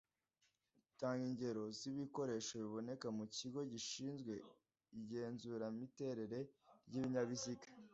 tanga ingero z’ibikoresho biboneka mu kigo gishinzwe igenzuramiterere ry’ibinyabiziga?